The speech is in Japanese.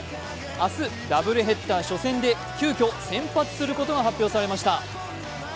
明日、ダブルヘッダー初戦で急きょ先発することが発表されました。